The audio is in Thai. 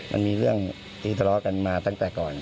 มันมีเรื่องที่ทะเลาะกันมาตั้งแต่ก่อน